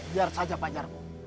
biar saja pak jarko